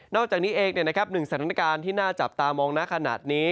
อกจากนี้เองหนึ่งสถานการณ์ที่น่าจับตามองนะขนาดนี้